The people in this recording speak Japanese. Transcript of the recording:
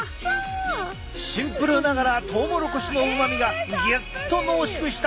シンプルながらトウモロコシのうまみがギュッと濃縮した一品だ。